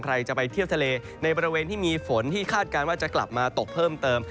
ใครจะไปเที่ยวทะเลในบริเวณที่มีฝนที่คาดการณ์ว่าจะกลับมาตกเพิ่มเติม